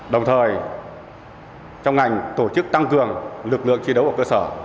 đồng thời trong ngành tổ chức tăng cường lực lượng chiến đấu ở cơ sở